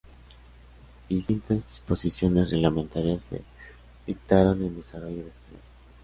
Distintas disposiciones reglamentarias se dictaron en desarrollo de esta ley.